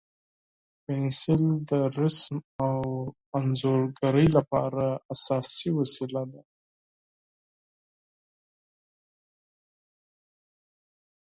پنسل د رسم او انځورګرۍ لپاره اساسي وسیله ده.